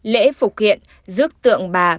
lễ phục hiện rước tượng bà